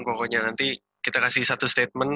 pokoknya nanti kita kasih satu statement